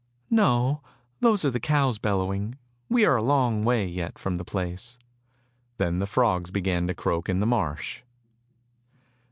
"No, those are the cows bellowing, we are a long way yet from the place." Then the frogs began to croak in the marsh.